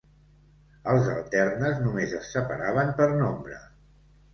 Els alternes només es separaven per nombre.